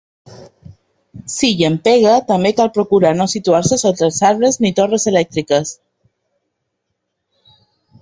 Si llampega, també cal procurar no situar-se sota els arbres ni torres elèctriques.